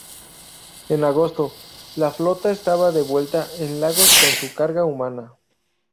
En agosto, la flota estaba de vuelta en Lagos con su carga humana.